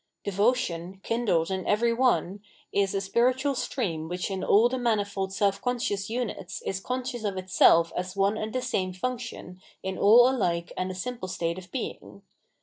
Devotion, kindled in every one, is a spiritual stream which in all the manifold self con scious units is conscious of itself as one and the sanae function in all alike and a simple state of being.